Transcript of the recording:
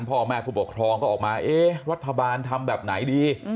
พ่อแม่ผู้ปกครองก็ออกมาเอ๊ะรัฐบาลทำแบบไหนดี